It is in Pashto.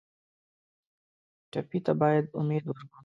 ټپي ته باید امید ورکړو.